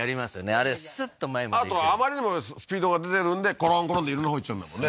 あれスッと前まであとあまりにもスピードが出てるんでコロンコロンッて色んなほう行っちゃうんだもんね